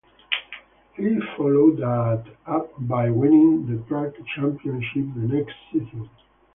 He followed that up by winning the track championship the next season.